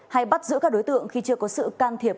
hay bắt giữ các đối tượng khi chưa có sự can thiệp